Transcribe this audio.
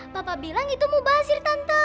papa bilang itu mubazir tanpa